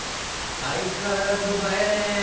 相変わらず映えねぇ。